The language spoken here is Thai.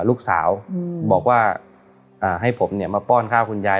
ลูกสาวบอกว่าให้ผมเนี่ยมาป้อนข้าวคุณยาย